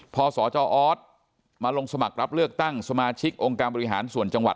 พอสจออสมาลงสมัครรับเลือกตั้งสมาชิกองค์การบริหารส่วนจังหวัด